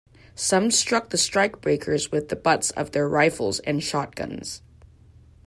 Some struck the strikebreakers with the butts of their rifles and shotguns.